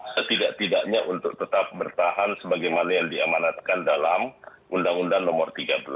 setidak tidaknya untuk tetap bertahan sebagaimana yang diamanatkan dalam undang undang nomor tiga belas